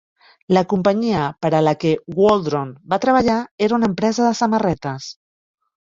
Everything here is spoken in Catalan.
La companyia per a la que Wauldron va treballar era una empresa de samarretes.